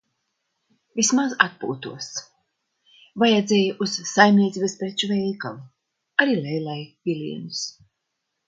Vismaz atpūtos. Vajadzēja uz saimniecības preču veikalu, arī Leilai pilienus.